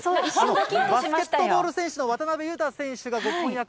バスケットボール選手の渡邊雄太選手がご婚約